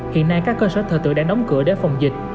hiện nay các cơ sở thờ tự đã đóng cửa để phòng dịch